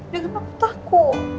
ya kenapa takut